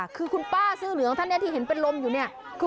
คือคุณป้าซื้อเหลืองท่านนี้ที่เห็นเป็นลมอยู่